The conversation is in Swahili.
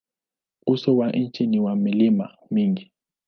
Uso wa nchi ni wa milima mingi.